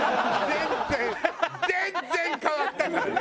全然全然変わったからね